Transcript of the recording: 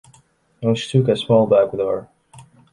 And she took a small bag with her.